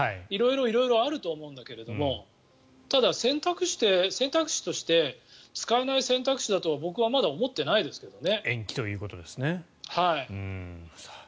色々あると思うんだけどもただ、選択肢として使えない選択肢だとは僕はまだ思っていないですね。